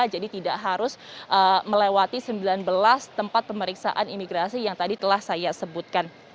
jadi tidak harus melewati sembilan belas tempat pemeriksaan imigrasi yang tadi telah saya sebutkan